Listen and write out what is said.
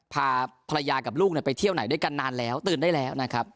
พาภรรยากับลูกไปเที่ยวไหนด้วยกันนานแล้วตื่นได้แล้วนะครับ